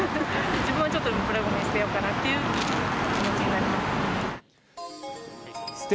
自分はちょっとでもプラごみに捨てようかなっていう気持ちになりますね。